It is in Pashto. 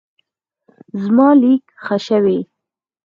زما لیک ښه شوی.